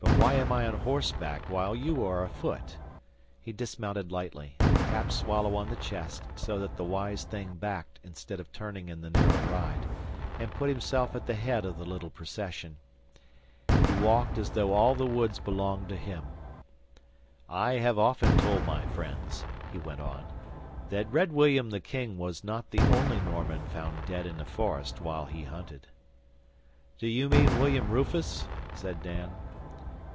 But why am I on horseback while you are afoot?' He dismounted lightly, tapped Swallow on the chest, so that the wise thing backed instead of turning in the narrow ride, and put himself at the head of the little procession. He walked as though all the woods belonged to him. 'I have often told my friends,' he went on, 'that Red William the King was not the only Norman found dead in a forest while he hunted.' 'D'you mean William Rufus?' said Dan.